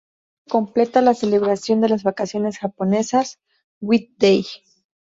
El álbum completa la celebración de las vacaciones japonesas, White Day.